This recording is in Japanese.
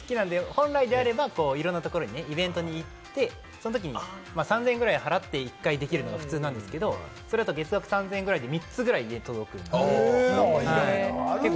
謎解き好きなんで、本来であればいろんなところにイベントに行って、３０００円くらい払って１回できるのが普通なんですけど、それだと月額３０００円くらいで３つくらい家に届く。